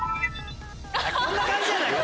こんな感じじゃないか。